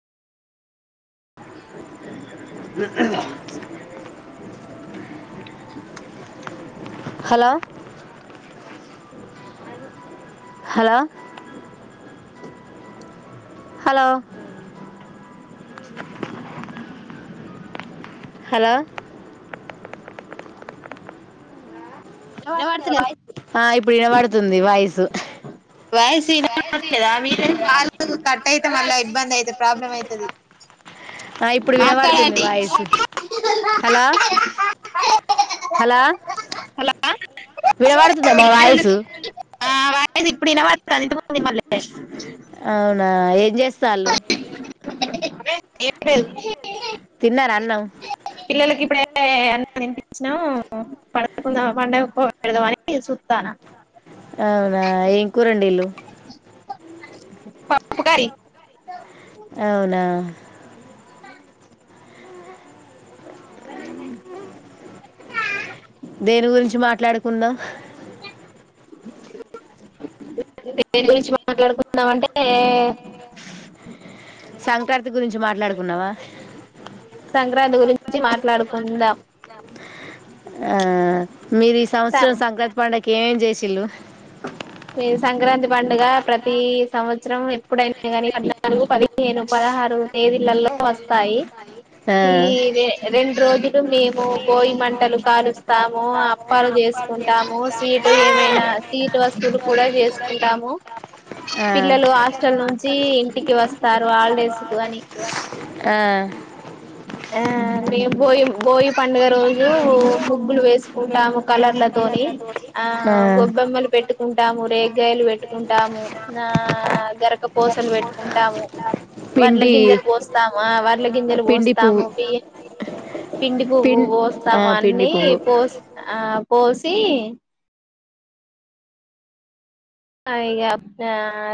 అ hello hello hello hello వినబడతలేదు [unintelligible] ఆ ఇప్పుడు ఇనపడుతుంది వాయిసు వాయిసు [unintelligible] లేదా మీరే కాల్ కట్ అయితే మళ్ళా ఇబ్బంది అయితే ప్రాబ్లం ఐతది ఆ ఇప్పుడు వినబడుతుంది మాట్లాడండి వాయిస్ హలో హలో వినపడుతుందా మా వాయిసు [unintelligible] ఇప్పుడినపడతాంది [unintelligible] లే అవునా ఏం చేస్తాళ్ళు ఏం లేదు తిన్నార అన్నాం పిల్లలకి ఇప్పుడే అన్నం తినిపిచ్చినం [unintelligible] అని చూత్తానా అవునా ఏం కూర డీలు ప [unintelligible] ప్పు కరి అవునా దేని గురించి మాట్లాడుకుందాం [unintelligible] దేని గురించి మాట్లాడుకుందాం అంటే సంక్రాంతి గురించి మాట్లాడుకుందామా సంక్రాంతి గురించి మాట్లాడుకుందాం ఆ మీరు ఈ సం సంవత్సరం సంక్రాంతి పండుగ కి ఏమేం చేసిల్లు మేము సంక్రాంతి పండుగ ప్రతి సంవత్సరం ఎప్పుడైనా కానీ పద్నాలుగు పదిహేను పదహారు తేదీలల్లో వస్తాయి ఈ ఆ రే రెండు రోజులు మేము భోగి మంటలు కాలుస్తాము అప్పాలు చేసుకుంటాము స్వీటు ఏమైనా స్వీటు వస్తువులు [unintelligible] చేసుకుంటాము ఆ పిల్లలు హాస్టల్ నుంచి ఇంటికి వస్తారు హాలిడేస్ కు అని ఆ యా మేం భోగి భోగి పండగ రోజు ముగ్గులు వేసుకుంటాము కలర్లతోని ఆ గొబ్బెమ్మలు పెట్టుకుంటాము రేగ్గాయలు పెట్టుకుంటాము ఆ గరకపోసలు పెట్టుకుంటాము వడ్ల పిండి గింజలు పోస్తాము ఆ వ డ్ల గింజలు పిండి పువ్వు పోస్తాము బియి పిండి పుపు పిం ఆ పోస్తాము పిండి అన్ని పువ్వు పోస్ ఆ పోసి ఆ ఇగా [unintelligible]